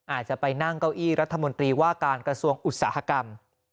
อาจจะไปนั่งเก้าอี้รัฐมนตรีว่าการกระทรวงอุตสาหกรรม